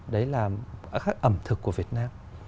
đấy là các ẩm thực của việt nam